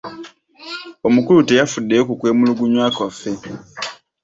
Omukulu teyafuddeyo ku kwemulugunya kwaffe.